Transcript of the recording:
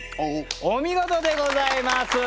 お見事でございます！